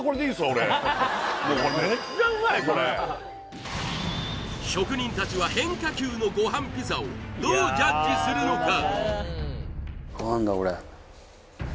俺職人達は変化球のごはんピザをどうジャッジするのか？